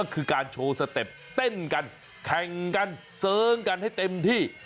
ก็คือการโชว์สเต็ปเต้นกันแข่งกันเสริงกันให้เต็มที่